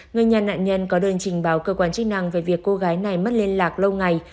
người nhà nạn nhân có đơn trình báo cơ quan chức năng về việc cô gái này mất liên lạc lâu ngày